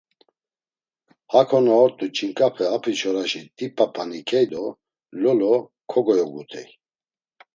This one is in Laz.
Heko na ort̆u ç̌inǩape apiçoraşi dip̌ap̌aniǩey do Lolo kogoyogutey.